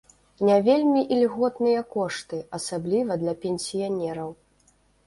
Не вельмі ільготныя кошты, асабліва для пенсіянераў.